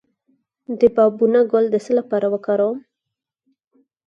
د بابونه ګل د څه لپاره وکاروم؟